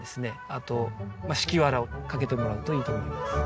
あと敷きわらをかけてもらうといいと思います。